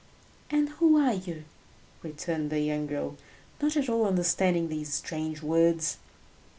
"And who are you?" returned the young girl, not at all understanding these strange words.